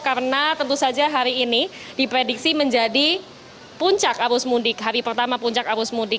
karena tentu saja hari ini diprediksi menjadi puncak arus mudik hari pertama puncak arus mudik